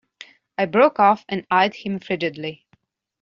I broke off and eyed him frigidly.